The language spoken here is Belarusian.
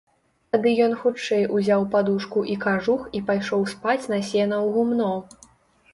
Тады ён хутчэй узяў падушку і кажух і пайшоў спаць на сена ў гумно.